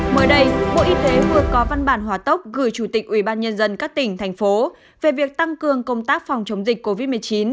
mới đây bộ y tế vừa có văn bản hòa tốc gửi chủ tịch ubnd các tỉnh thành phố về việc tăng cường công tác phòng chống dịch covid một mươi chín